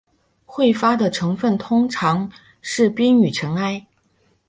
彗发的成分通常是冰与尘埃。